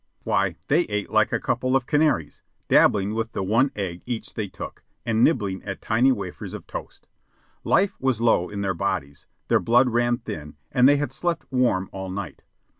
Why, they ate like a couple of canaries, dabbling with the one egg each they took, and nibbling at tiny wafers of toast. Life was low in their bodies; their blood ran thin; and they had slept warm all night.